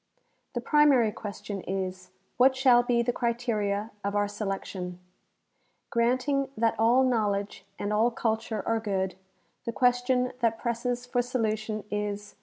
The primary question is, What shall be the criteria of our selection? Granting that all knowledge and all culture are good, the question that presses for solution is.